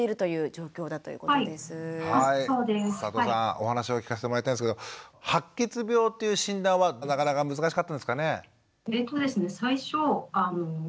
お話を聞かしてもらいたいんですけど白血病という診断はなかなか難しかったんですかね？